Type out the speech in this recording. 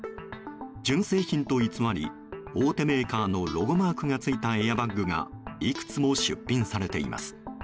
純正品と偽り大手メーカーのロゴマークがついたエアバッグがいくつも出品されています。